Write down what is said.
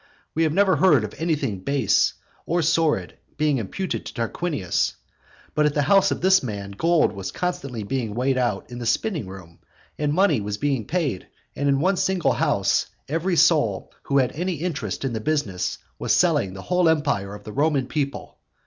We have never heard of anything base or sordid being imputed to Tarquinius. But at the house of this man gold was constantly being weighed out in the spinning room, and money was being paid, and in one single house every soul who had any interest in the business was selling the whole empire of the Roman people.